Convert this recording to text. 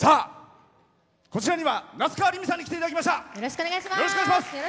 こちらには夏川りみさんに来ていただきました。